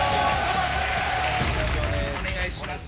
お願いします。